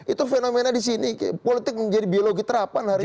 itu fenomena di sini politik menjadi biologi terapan hari ini